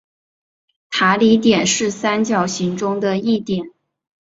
塔里点是三角形中的一点。